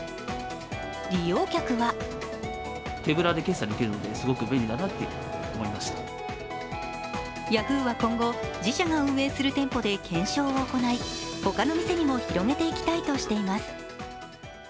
利用客はヤフーは今後、自社が運営する店舗で検証を行い他の店にも広げていきたいとしています。